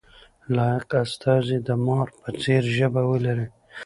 لایق استازی د مار په څېر ژبه ولري.